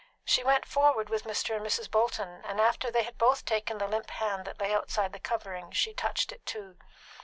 She went forward with Mr. and Mrs. Bolton, and after they had both taken the limp hand that lay outside the covering, she touched it too.